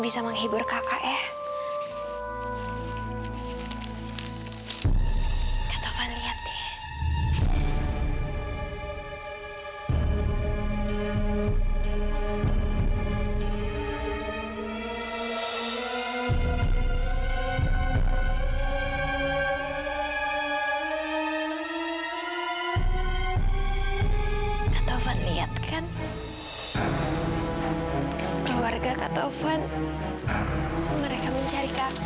sampai jumpa di video selanjutnya